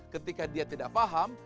ketika dia tidak paham